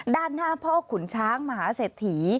ด้านหน้าพ่อขุนช้างมหาเศรษฐี